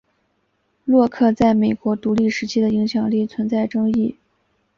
洛克在美国独立时期的影响力存在争议。